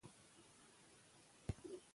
هغه په یخچال کې لږ شات او کوچ ایښي وو.